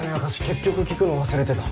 結局聞くの忘れてた。